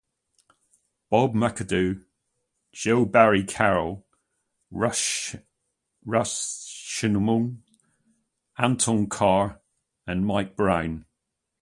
Bob McAdoo, Joe Barry Carroll, Russ Schoene, Antoine Carr, and Mike Brown.